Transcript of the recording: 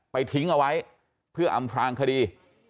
ทิ้งเอาไว้เพื่ออำพลางคดี